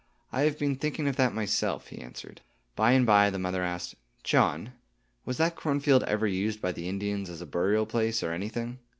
"I have been thinking of that myself," he answered. By and by the mother asked, "John, was that cornfield ever used by the Indians as a burial place, or anything?"